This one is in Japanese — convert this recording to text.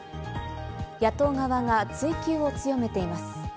野党側が追及を強めています。